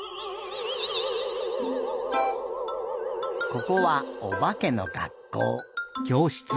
ここはおばけの学校。